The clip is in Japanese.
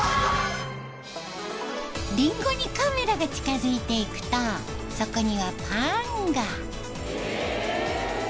リンゴにカメラが近付いていくとそこにはパンが。